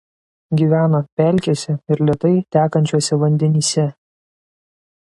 Gyvena pelkėse ir lėtai tekančiuose vandenyse.